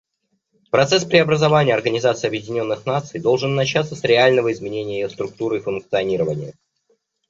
Процесс преобразования Организации Объединенных Наций должен начаться с реального изменения ее структуры и функционирования.